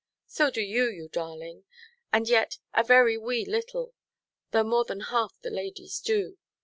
So you do, you darling; and yet a very wee little; though more than half the ladies do.